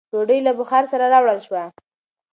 ډوډۍ له بخاره سره راوړل شوه.